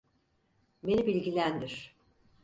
Beni bilgilendir.